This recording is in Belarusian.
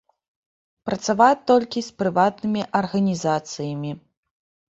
Працаваць толькі з прыватнымі арганізацыямі.